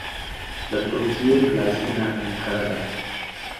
د ترکیې پلازمېنه انکارا ده .